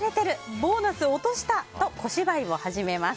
ボーナス落とした！と小芝居を始めます。